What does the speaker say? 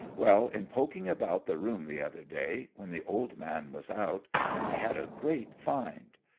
Well! In poking about the room the other day, when the old man was out, I had a great find.